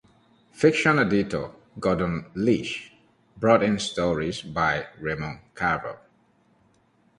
Fiction editor Gordon Lish brought in stories by Raymond Carver.